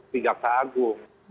di jaksa agung